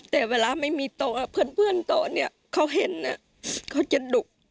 แต่เวลาไม่มีโตเพื่อนเพื่อนโตเนี้ยเขาเห็นอ่ะเขาจะดุ